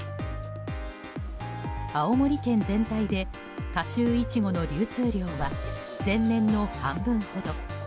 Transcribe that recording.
青森県全体で夏秋イチゴの流通量は前年の半分ほど。